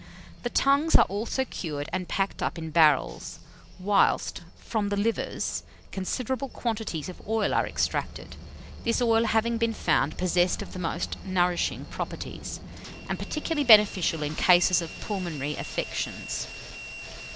The tongues are also cured and packed up in barrels; whilst, from the livers, considerable quantities of oil are extracted, this oil having been found possessed of the most nourishing properties, and particularly beneficial in cases of pulmonary affections.